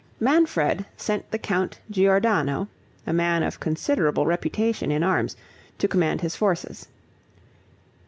Manfred sent the Count Giordano, a man of considerable reputation in arms, to command his forces.